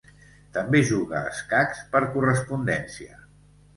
També juga a escacs per correspondència.